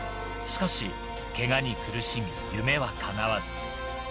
しかし、けがに苦しみ夢は叶わず。